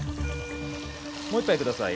もう１杯ください